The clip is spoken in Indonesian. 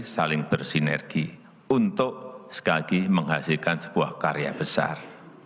saling bersinergi untuk sekali lagi menghasilkan sebuah karya besar